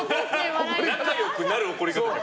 仲良くなる怒り方。